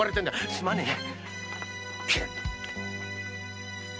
すまねえな。